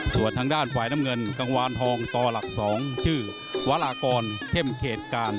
ส่วนทางด้านฝ่ายน้ำเงินกังวานทองต่อหลัก๒ชื่อวารากรเข้มเขตการ